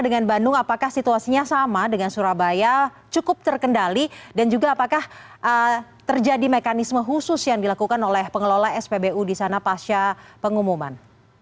dengan bandung apakah situasinya sama dengan surabaya cukup terkendali dan juga apakah terjadi mekanisme khusus yang dilakukan oleh pengelola spbu di sana pasca pengumuman